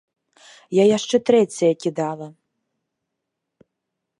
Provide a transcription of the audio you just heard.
Я яшчэ трэцяя кідала.